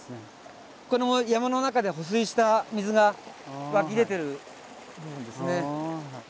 この山の中で保水した水が湧き出てるんですね。